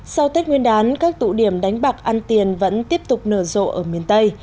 sau tết nguyên đán các tụ điểm đánh bạc ăn tiền vẫn tiếp tục nở rộ ở miền tây